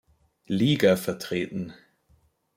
Liga vertreten.